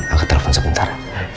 angkat telepon sebentar